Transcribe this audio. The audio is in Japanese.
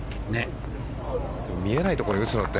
見えないところに打つのって。